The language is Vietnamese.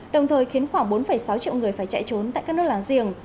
đồng thời khiến khoảng bốn sáu triệu người phải chạy trốn tại các nước làng riêng